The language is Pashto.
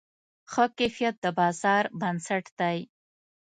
ښه کیفیت د بازار بنسټ دی.